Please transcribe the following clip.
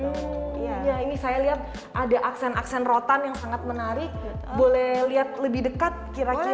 iya ini saya lihat ada aksen aksen rotan yang sangat menarik boleh lihat lebih dekat kira kira